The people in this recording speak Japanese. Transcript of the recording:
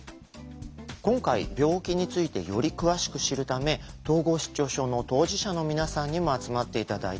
今回病気についてより詳しく知るため統合失調症の当事者の皆さんにも集まって頂いて座談会を開催しました。